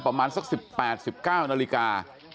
ประมาณสัก๑๘๑๙นาฬิกา